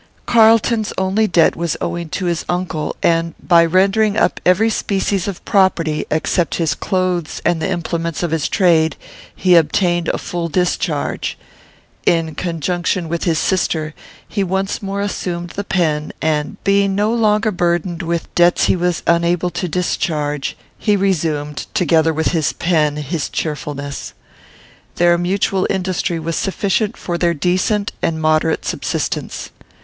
Carlton's only debt was owing to his uncle, and, by rendering up every species of property, except his clothes and the implements of his trade, he obtained a full discharge. In conjunction with his sister, he once more assumed the pen, and, being no longer burdened with debts he was unable to discharge, he resumed, together with his pen, his cheerfulness. Their mutual industry was sufficient for their decent and moderate subsistence.